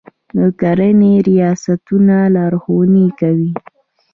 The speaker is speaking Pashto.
د کرنې ریاستونه لارښوونې کوي.